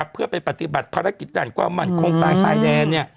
เพื่อไปปฏิบัติภารกิจด่านความมั่นคงต่างชายแดน